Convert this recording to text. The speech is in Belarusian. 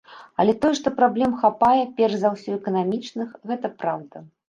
Але тое, што праблем хапае, перш за ўсё эканамічных, гэта праўда.